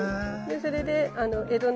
それで江戸の。